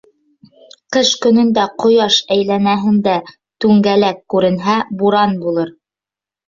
Ҡыш көнөндә ҡояш әйләнәһендә түңгәләк күренһә, буран булыр